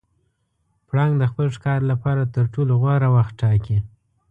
پړانګ د خپل ښکار لپاره تر ټولو غوره وخت ټاکي.